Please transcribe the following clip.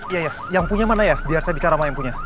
iya ya yang punya mana ya biar saya bicara sama yang punya